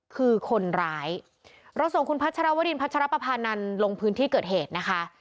คือคนร้ายเราส่งคุณพัชรวรินพัชรปภานันลงพื้นที่เกิดเหตุนะคะ